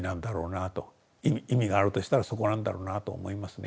意味があるとしたらそこなんだろうなと思いますね。